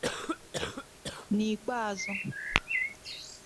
N’ikpeazụ